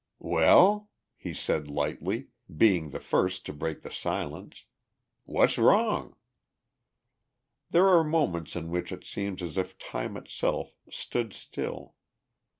"Well?" he said lightly, being the first to break the silence. "What's wrong?" There are moments in which it seems as if time itself stood still.